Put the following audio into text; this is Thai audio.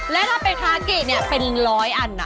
แล้วถ้าเป็นขาเกียร์เนี่ยเป็น๑๐๐อัน